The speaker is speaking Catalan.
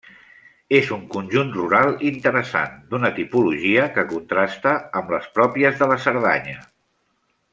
És un conjunt rural interessant d'una tipologia que contrasta amb les pròpies de la Cerdanya.